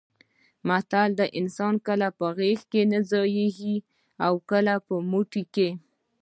متل دی: انسان کله په غېږه کې نه ځایېږي اوکله په موټي کې.